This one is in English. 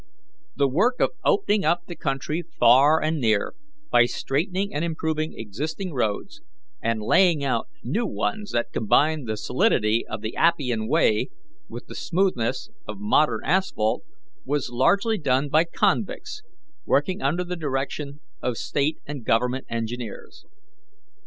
The work of opening up the country far and near, by straightening and improving existing roads, and laying out new ones that combine the solidity of the Appian Way with the smoothness of modern asphalt, was largely done by convicts, working under the direction of State and Government engineers.